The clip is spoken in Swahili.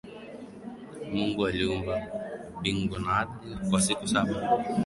Mungu aliumba bingu na ardhi kwa siku saba.